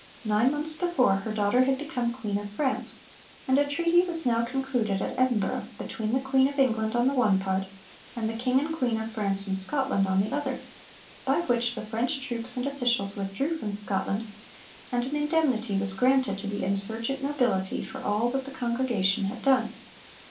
Nine months before, her daughter had become Queen of France, and a treaty was now concluded at Edinburgh, between the Queen of England on the one part and the 'King and Queen of France and Scotland' on the other, by which the French troops and officials withdrew from Scotland, and an indemnity was granted to the insurgent nobility for all that the Congregation had done.